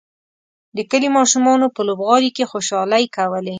د کلي ماشومانو په لوبغالي کې خوشحالۍ کولې.